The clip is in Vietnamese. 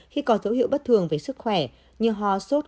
khi có dấu hiệu bất thường về sức khỏe như ho sốt